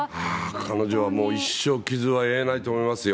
彼女はもう一生傷は癒えないと思いますよ。